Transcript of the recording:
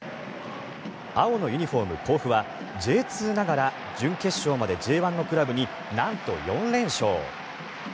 青のユニホーム、甲府はＪ２ながら準決勝までＪ１のクラブになんと４連勝。